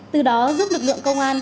từ đó giúp lực lượng công an